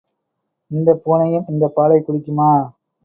இந்தப் பூனையும் இந்தப் பாலைக் குடிக்குமா?